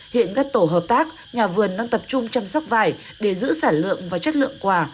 hiện các tổ hợp tác nhà vườn đang tập trung chăm sóc vải để giữ sản lượng và chất lượng quả